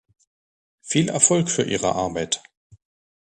Viel Erfolg für Ihre Arbeit!